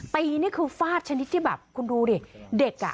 นี่คือฟาดชนิดที่แบบคุณดูดิเด็กอ่ะ